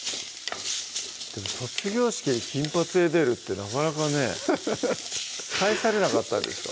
でも卒業式に金髪で出るってなかなかねハハハ帰されなかったんですか？